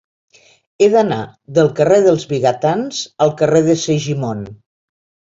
He d'anar del carrer dels Vigatans al carrer de Segimon.